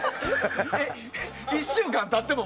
１週間経っても？